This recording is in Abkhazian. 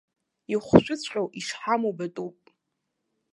Ихәшәыҵәҟьоу ишҳаму батәуп.